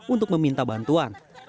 untuk meminta bantuan